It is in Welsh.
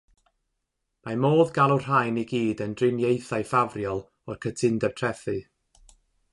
Mae modd galw'r rhain i gyd yn driniaethau ffafriol o'r cytundeb trethu.